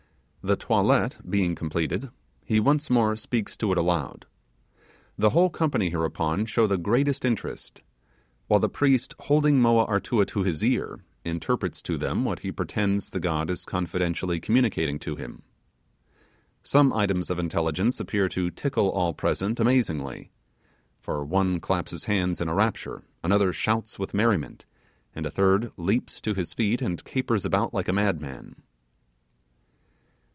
The toilet being completed, he once more speaks to it aloud. The whole company hereupon show the greatest interest; while the priest holding Moa Artua to his ear interprets to them what he pretends the god is confidentially communicating to him. Some items intelligence appear to tickle all present amazingly; for one claps his hands in a rapture; another shouts with merriment; and a third leaps to his feet and capers about like a madman.